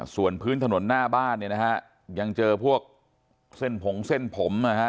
ส่วนพื้นถนนหน้าบ้านเนี่ยนะฮะยังเจอพวกเส้นผงเส้นผมนะฮะ